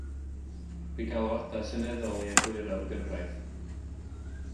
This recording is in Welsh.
Bu galwadau seneddol i egluro'r gyfraith.